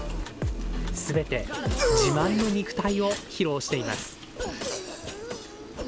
すべて自慢の肉体を披露しています。